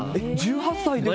１８歳で？